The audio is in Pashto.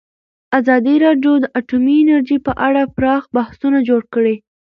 ازادي راډیو د اټومي انرژي په اړه پراخ بحثونه جوړ کړي.